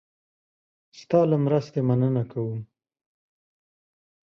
ستا له مرستې مننه کوم.